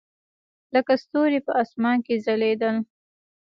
لکه ستوري په اسمان کښې ځلېدل.